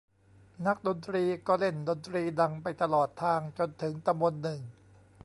นักดนตรีก็เล่นดนตรีดังไปตลอดทาง จนถึงตำบลหนึ่ง